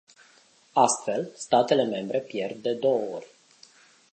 Astfel, statele membre pierd de două ori.